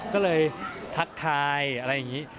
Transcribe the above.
ก็เลยทักทายอะไรอย่างนี้